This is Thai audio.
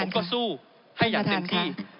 ก็สู้ให้อย่างเต็มที่